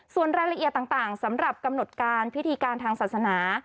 ส่วนรายละเอียดต่างสำหรับกำหนดการพิธีการทางศาสนา